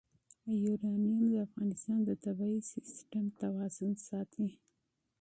یورانیم د افغانستان د طبعي سیسټم توازن ساتي.